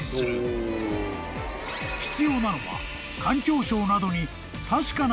［必要なのは環境省などに］